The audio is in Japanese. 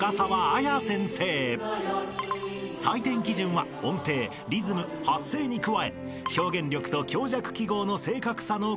［採点基準は音程リズム発声に加え表現力と強弱記号の正確さの５項目］